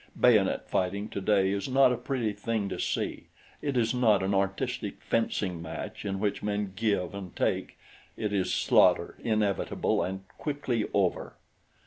Bayonet fighting today is not a pretty thing to see it is not an artistic fencing match in which men give and take it is slaughter inevitable and quickly over.